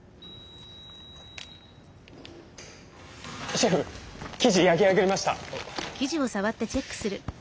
シェフ生地焼き上がりました。